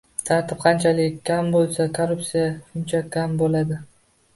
Tartib qanchalik kam bo'lsa, korrupsiya shunchalik kam bo'ladi